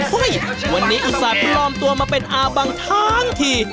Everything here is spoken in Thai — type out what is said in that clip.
เฮ้ยวันนี้อีสัตว์ลอมตัวมาเป็นอาบังทั้งที